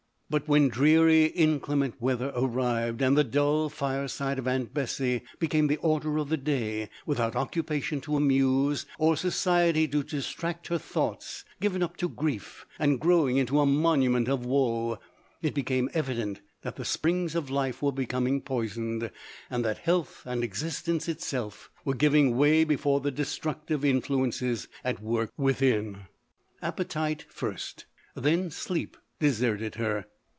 But when dreary incli merit winter arrived, and the dull fireside of aunt Bessy became the order of the day, with out occupation to amuse, or society to dis tract her thoughts, given up to grief, and growing into a monument of woe, it became evident that the springs of life wire becoming poisoned, and that health and existence itself were giving way before the destructive influ ences at work within. Appetite first, then sleep, deserted her.